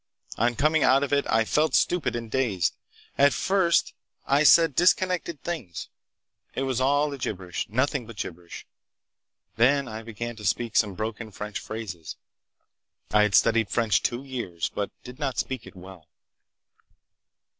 On coming out of it I felt stupid and dazed. At first I said disconnected things. It was all a gibberish, nothing but gibberish. Then I began to speak some broken French phrases. I had studied French two years, but did not speak it well."